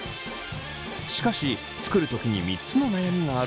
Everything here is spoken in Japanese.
しかし作る時に３つの悩みがあるそう。